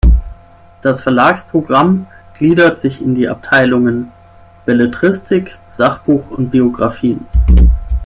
Das Verlagsprogramm gliedert sich in die Abteilungen Belletristik, Sachbuch und Biografien.